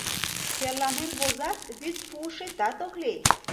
Черланен возат — вӱд пуышетат ок лий...